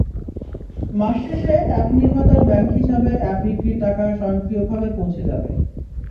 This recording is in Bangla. মাস শেষে অ্যাপ নির্মাতার ব্যাংক হিসাবে অ্যাপ বিক্রির টাকা স্বয়ংক্রিয়ভাবে পৌঁছে যাবে।